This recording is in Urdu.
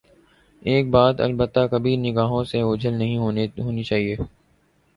ایک بات البتہ کبھی نگاہوں سے اوجھل نہیں ہونی چاہیے۔